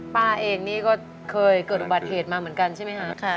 ป้าเองนี่ก็เคยเกิดอุบัติเหตุมาเหมือนกันใช่ไหมคะ